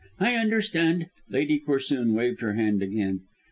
I understand." Lady Corsoon waved her hand again.